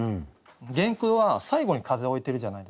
原句は最後に「風」を置いてるじゃないですか。